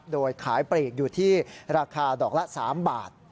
โดยขายปลีกอยู่ที่ราคาดอกละ๓บาท